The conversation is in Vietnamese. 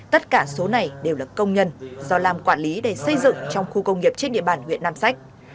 tất cả số này đều là công nhân do lam quản lý để xây dựng trong khu công nghiệp trên địa bàn huyện nam sách